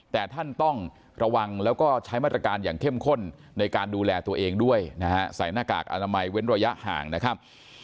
แต่ท่านต้องระวังแล้วก็ใช้มาตรการอย่างเข้มข้นในการดูแลตัวเองด้วยนะฮะใส่หน้ากากอนามัยเว้นระยะห่างนะครับ